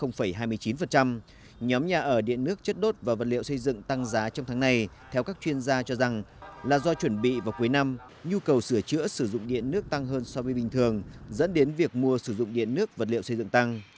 nhóm nhà ở điện nước chất đốt và vật liệu xây dựng tăng giá trong tháng này theo các chuyên gia cho rằng là do chuẩn bị vào cuối năm nhu cầu sửa chữa sử dụng điện nước tăng hơn so với bình thường dẫn đến việc mua sử dụng điện nước vật liệu xây dựng tăng